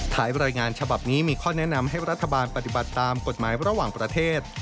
รายงานฉบับนี้มีข้อแนะนำให้รัฐบาลปฏิบัติตามกฎหมายระหว่างประเทศ